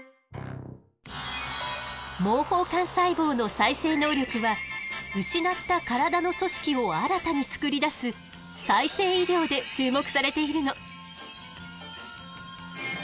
毛包幹細胞の再生能力は失った体の組織を新たに作り出す「再生医療」で注目されているの。